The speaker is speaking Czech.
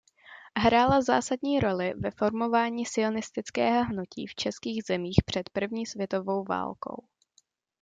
Hrála zásadní roli ve formování sionistického hnutí v českých zemích před první světovou válkou.